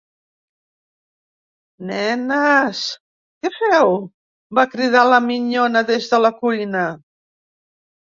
Neneees, què feu? –va cridar la minyona des de la cuina.